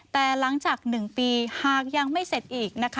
แต่หลังจาก๑ปีหากยังไม่เสร็จอีกนะคะ